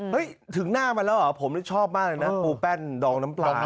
ถึงหน้ามันแล้วเหรอผมนี่ชอบมากเลยนะปูแป้นดองน้ำปลา